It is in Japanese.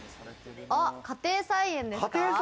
家庭菜園ですか？